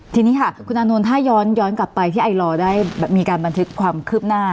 ทีนี้ค่ะคุณอานนท์ถ้าย้อนกลับไปที่ไอลอร์ได้มีการบันทึกความคืบหน้า